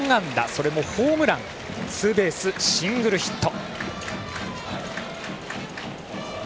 それもホームランツーベース、シングルヒット。